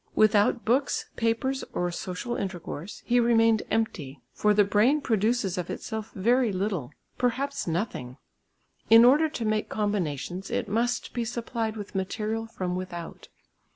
Without books, papers or social intercourse, he remained empty; for the brain produces of itself very little, perhaps nothing; in order to make combinations it must be supplied with material from without.